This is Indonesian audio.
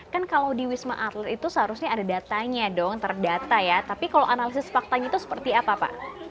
kan kalau di wisma atlet itu seharusnya ada datanya dong terdata ya tapi kalau analisis faktanya itu seperti apa pak